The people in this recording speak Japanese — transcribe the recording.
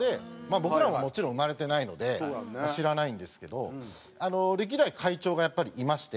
僕らももちろん生まれてないので知らないんですけど歴代会長がやっぱりいまして。